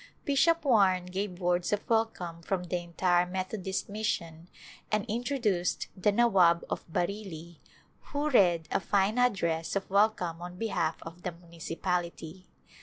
Bishop Warne gave words of welcome from the en tire Methodist Mission and introduced the Nawab of Bareilly who read a fine address of welcome on behalf of the Municipality.